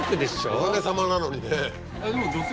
おかげさまなのにね。